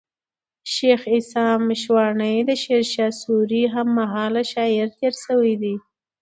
شېخ عیسي مشواڼى د شېرشاه سوري هم مهاله شاعر تېر سوی دئ.